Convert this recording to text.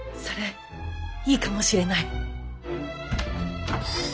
それいいかもしれない。